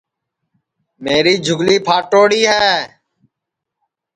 میری جھُگلی پھاٹوڑی ہے